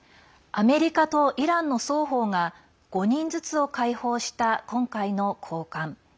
アメリカとイランの双方が５人ずつを解放した今回の交換。